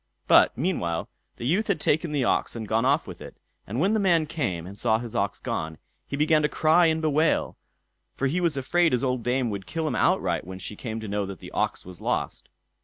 But, meanwhile the youth had taken the ox and gone off with it; and when the man came and saw his ox gone, he began to cry and bewail, for he was afraid his old dame would kill him outright when she came to know that the ox was lost.